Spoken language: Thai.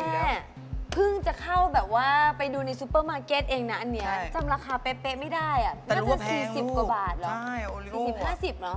อันนี้เพิ่งจะเข้าไปดูในซูเปอร์มาร์เก็ตเองนะจำราคาเป๊ะไม่ได้น่าจะ๔๐กว่าบาทหรอ